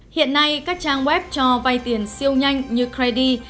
hiện nay các trang web cho vay tiền siêu nhanh như credi